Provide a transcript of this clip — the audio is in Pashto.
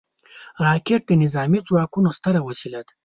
راکټ د نظامي ځواکونو ستره وسله ده